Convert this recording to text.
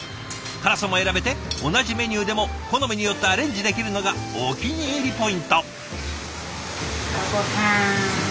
辛さも選べて同じメニューでも好みによってアレンジできるのがお気に入りポイント。